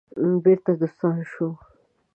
بیرته دوستان شو.